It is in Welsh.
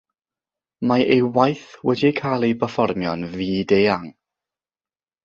Mae ei waith wedi cael ei berfformio'n fyd-eang.